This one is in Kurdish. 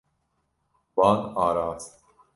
Wan arast.